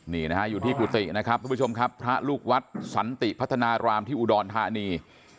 นี่นะฮะอยู่ที่กุฏินะครับทุกผู้ชมครับพระลูกวัดสันติพัฒนารามที่อุดรธานี